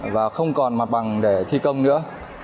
và không còn mặt bằng để thi công nữa